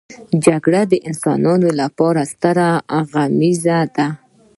جګړه د انسان لپاره ستره غميزه ده